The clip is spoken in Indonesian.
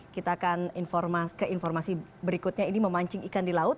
kita akan ke informasi berikutnya ini memancing ikan di laut